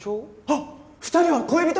あっ２人は恋人？